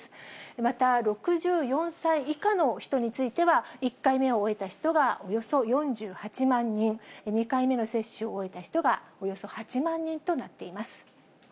また、６４歳以下の人については、１回目を終えた人がおよそ４８万人、２回目の接種を終えた人がおよそ８万人となっています。